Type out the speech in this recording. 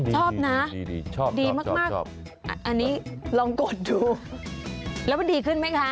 ชอบนะชอบดีมากอันนี้ลองกดดูแล้วมันดีขึ้นไหมคะ